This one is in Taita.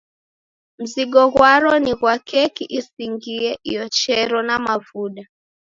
Mzingo ghwaro ni sa ghwa keki isingie iochero na mavuda.